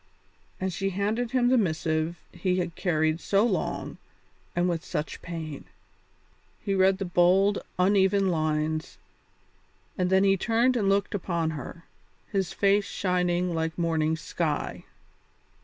And she handed him the missive he had carried so long and with such pain. He read the bold, uneven lines, and then he turned and looked upon her, his face shining like the morning sky.